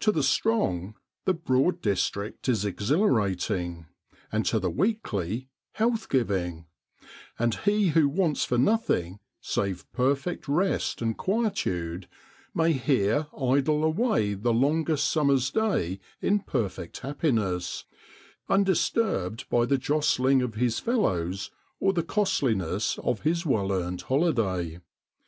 To the strong the Broad district is exhilarating, and to the weakly health giving; and he who wants for nothing, save perfect rest and quietude, may here idle away the longest summer's day in perfect happiness, undisturbed by the jostling of his fellows or the costliness of his well earned holiday.